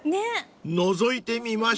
［のぞいてみましょう］